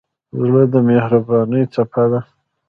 زړه د مهربانۍ څپه ده.